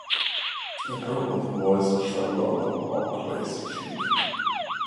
A drop of moisture fell on Oakley’s cheek.